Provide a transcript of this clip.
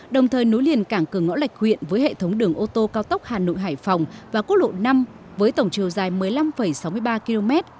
đồng thời nối liền cảng cửa ngõ lạch huyện với hệ thống đường ô tô cao tốc hà nội hải phòng và quốc lộ năm với tổng chiều dài một mươi năm sáu mươi ba km